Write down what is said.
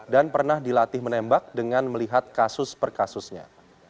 dan pernah dilatih menembak dengan melihat kasus per kasusnya